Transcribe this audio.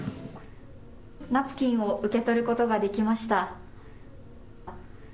ナプキンを受け取ることができました。